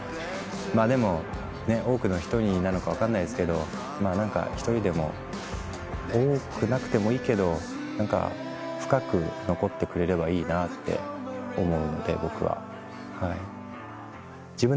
でも多くの人になのか分かんないですけど何か一人でも多くなくてもいいけど深く残ってくれればいいなって思うんで僕は。